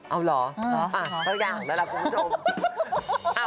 เอ้าเหรอต้องอย่างนะครับคุณผู้ชม